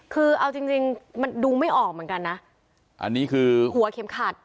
คือเอาจริงจริงมันดูไม่ออกเหมือนกันนะอันนี้คือหัวเข็มขัด